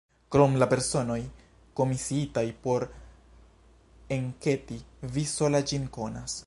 Krom la personoj, komisiitaj por enketi, vi sola ĝin konas.